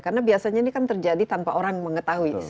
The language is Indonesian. karena biasanya ini kan terjadi tanpa orang mengetahui